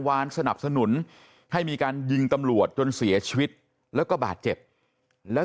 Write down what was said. วานสนับสนุนให้มีการยิงตำรวจจนเสียชีวิตแล้วก็บาดเจ็บแล้ว